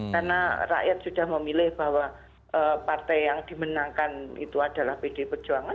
karena rakyat sudah memilih bahwa partai yang dimenangkan itu adalah pdi perjuangan